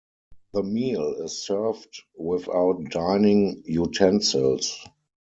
The meal is served without dining utensils.